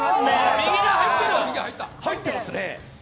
右が入ってますね。